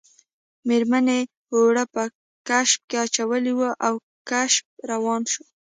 میرمنې اوړه په کشپ اچولي وو او کشپ روان شو